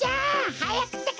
はやくってか。